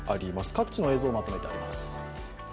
各地の映像をまとめてあります。